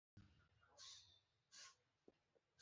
মেয়েটি লক্ষ্মী মেয়ে, তোর উপযুক্ত।